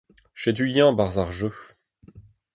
Setu-eñ e-barzh ar jeu.